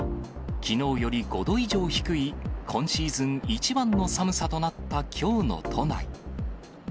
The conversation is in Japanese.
きのうより５度以上低い、今シーズン一番の寒さとなったきょうの都内。